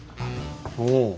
おお！